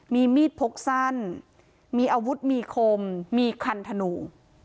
มีมีดพกสั้นมีอาวุธมีคมมีคันธนู